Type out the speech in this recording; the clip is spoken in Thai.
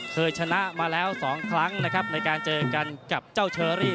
เคยชนะมาแล้ว๒ครั้งนะครับในการเจอกันกับเจ้าเชอรี่